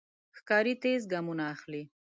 ښکاري تېز ګامونه اخلي.